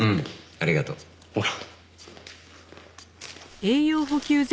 ありがとう。ほら。